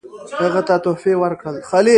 هغه ته تحفې ورکړل.